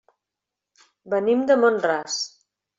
Venim de Mont-ras.